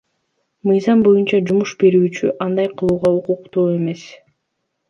Мыйзам боюнча, жумуш берүүчү андай кылууга укуктуу эмес.